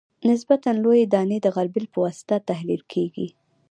نسبتاً لویې دانې د غلبیل په واسطه تحلیل کیږي